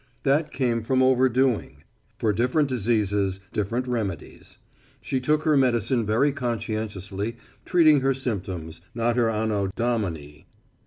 That came from overdoing. For different diseases different remedies. She took her medicine very conscientiously, treating her symptoms, not her annodomini.